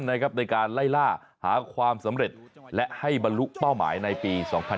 ในการไล่ล่าหาความสำเร็จและให้บรรลุเป้าหมายในปี๒๕๖๒